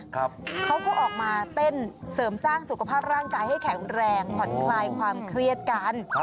เขาก็ออกมาเต้นเสริมสร้างสุขภาพร่างกายให้แข็งแรงผ่อนคลายความเครียดกัน